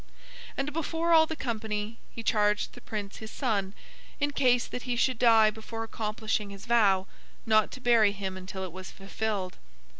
And before all the company, he charged the Prince his son, in case that he should die before accomplishing his vow, not to bury him until it was fulfilled.